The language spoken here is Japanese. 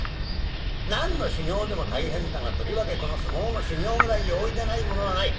何の修業でも大変だがとりわけこの相撲の修業ぐらい容易でないものはない。